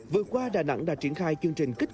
vừa qua đà nẵng đã triển khai chương trình lưu trú